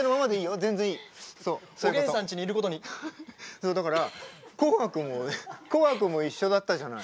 そうだから「紅白」も一緒だったじゃない。